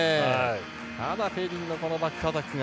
ただ、ペリンのバックアタックが。